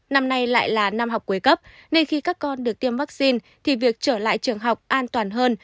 năm nay lại là năm học cuối cấp nên khi các con được tiêm vaccine thì việc trở lại trường học an toàn hơn